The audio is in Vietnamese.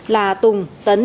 là tùng tấn hà